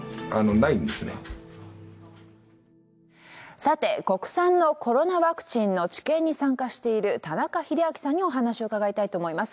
さて国産のコロナワクチンの治験に参加している田中秀昭さんにお話を伺いたいと思います。